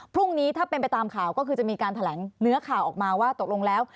พรุ่งนี้ถ้าเป็นไปตามข่าวก็คือจะมีการแถลงเนื้อข่าวออกมาว่าตกลงแล้ว